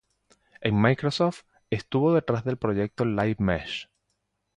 En Microsoft, estuvo detrás del proyecto Live Mesh.